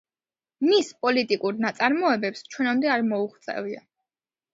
მის პოლიტიკურ ნაწარმოებებს ჩვენამდე არ მოუღწევია.